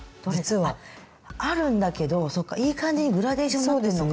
あっあるんだけどいい感じにグラデーションになってるのかな。